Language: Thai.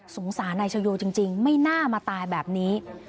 สงสารนายชายโย่จริงไม่น่ามาตายแบบนี้